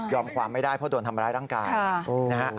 ความไม่ได้เพราะโดนทำร้ายร่างกายนะฮะ